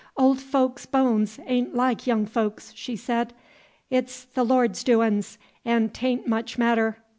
"Old folks' bones a'n't like young folks'," she said. "It's the Lord's doin's, 'n' 't a'n't much matter.